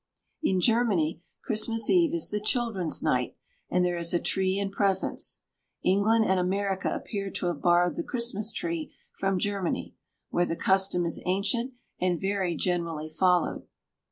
In Germany, Christmas Eve is the children's night, and there is a tree and presents. England and America appear to have borrowed the Christmas tree from Germany, where the custom is ancient and very generally followed.